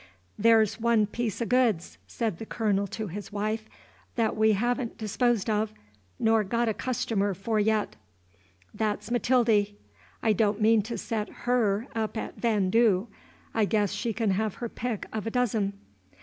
"There's one piece o' goods," said the Colonel to his wife, "that we ha'n't disposed of, nor got a customer for yet. That 's Matildy. I don't mean to set HER up at vaandoo. I guess she can have her pick of a dozen."